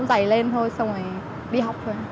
dày lên thôi xong rồi đi học thôi